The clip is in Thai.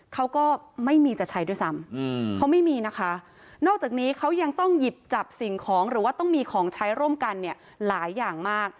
เขาก็ไม่มีจะใช้ด้วยซ้ำเขาไม่มีนะคะนอกจากนี้เขายังต้องหยิบจับสิ่งของหรือว่าต้องมีของใช้ร่วมกันเนี่ยหลายอย่างมาก